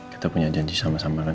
kita punya janji sama sama lah